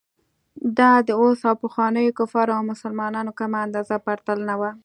دا د اوس او پخوانیو کفارو او مسلمانانو کمه اندازه پرتلنه وه.